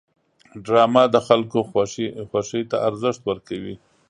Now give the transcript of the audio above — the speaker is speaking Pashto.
ډرامه د خلکو خوښې ته ارزښت ورکوي